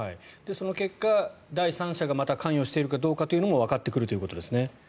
その結果、第三者が関与しているかどうかもわかってくるということですね。